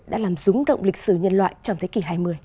đã làm rúng động lịch sử nhân loại trong thế kỷ hai mươi